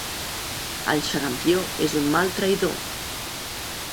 El xarampió és un mal traïdor.